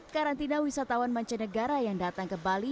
karantina wisatawan mancanegara yang datang ke bali